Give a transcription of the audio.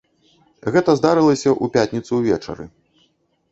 Гэта здарылася ў пятніцу ўвечары.